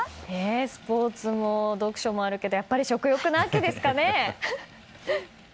スポーツも読書もあるけどやっぱり食欲の秋ですかね？